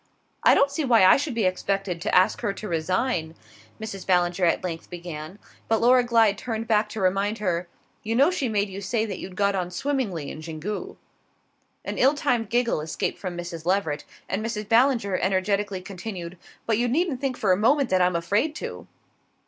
"I don't see why I should be expected to ask her to resign " Mrs. Ballinger at length began; but Laura Glyde turned back to remind her: "You know she made you say that you'd got on swimmingly in Xingu." An ill timed giggle escaped from Mrs. Leveret, and Mrs. Ballinger energetically continued " but you needn't think for a moment that I'm afraid to!"